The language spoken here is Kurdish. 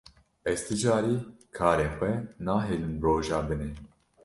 Ez ti carî karê xwe nahêlim roja dinê.